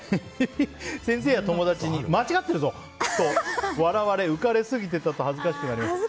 先生や友達に間違ってるぞ！と笑われ浮かれすぎていたと恥ずかしくなりました。